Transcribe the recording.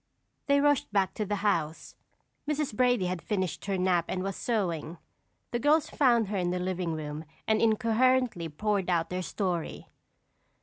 They rushed back to the house. Mrs. Brady had finished her nap and was sewing. The girls found her in the living room and incoherently poured out their story.